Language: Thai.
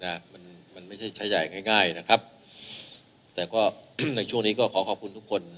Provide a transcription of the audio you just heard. นะมันมันไม่ใช่ใช้ใหญ่ง่ายง่ายนะครับแต่ก็ในช่วงนี้ก็ขอขอบคุณทุกคน